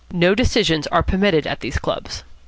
No decisions are permitted at these clubs.